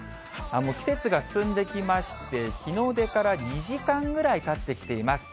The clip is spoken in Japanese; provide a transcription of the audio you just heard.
もう季節が進んできまして、日の出から２時間ぐらいたってきています。